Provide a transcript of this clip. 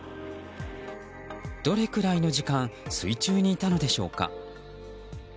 どれくらいの時間水中にいたのでしょうか？